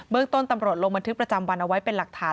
เรื่องต้นตำรวจลงบันทึกประจำวันเอาไว้เป็นหลักฐาน